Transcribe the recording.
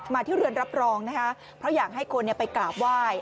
ที่เรือนรับรองนะคะเพราะอยากให้คนไปกราบไหว้